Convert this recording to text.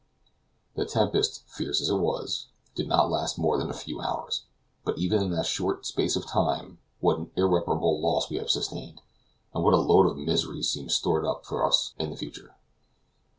The tempest, fierce as it was, did not last more than a few hours; but even in that short space of time what an irreparable loss we have sustained, and what a load of misery seems stored up for us in the future!